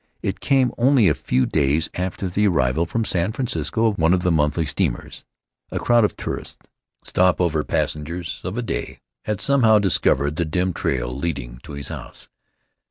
It came only a few days after the arrival from San Fran cisco of one of the monthly steamers. A crowd of tourists — stop over passengers of a day — had somehow discovered the dim trail leading to his house.